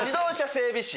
整備士。